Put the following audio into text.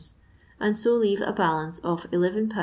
and so leave a balance of llA 8s.